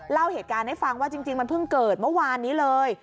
เล่าเหตุการณ์ให้ฟังว่าจริงมันเพิ่งเกิดเมื่อวานนี้เลย